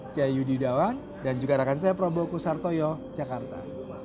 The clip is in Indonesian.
saya yudi dawang dan juga rakan saya prabowo kusartoyo jakarta